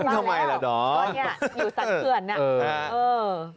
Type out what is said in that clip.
ทำไมล่ะตอนนี้อยู่สรรเขื่อนน่ะ